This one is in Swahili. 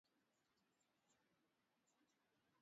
unaweza ukafungua redio ukaitumia kutangaza biashara yako